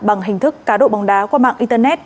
bằng hình thức cá độ bóng đá qua mạng internet